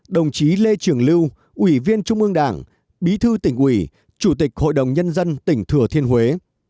ba mươi năm đồng chí lê trường lưu ủy viên trung ương đảng bí thư tỉnh ủy chủ tịch hội đồng nhân dân tỉnh thừa thiên huế